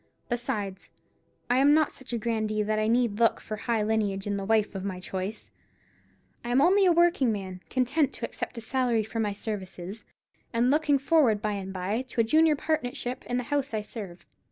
Besides, I am not such a grandee that I need look for high lineage in the wife of my choice. I am only a working man, content to accept a salary for my services; and looking forward by and by to a junior partnership in the house I serve.